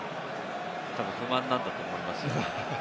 不満なんだと思いますよ。